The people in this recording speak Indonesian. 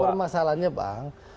ini masalahnya bang